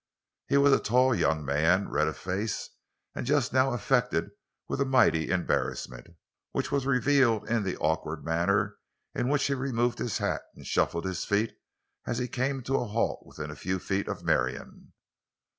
He was a tall young man, red of face, and just now affected with a mighty embarrassment, which was revealed in the awkward manner in which he removed his hat and shuffled his feet as he came to a halt within a few feet of Marion.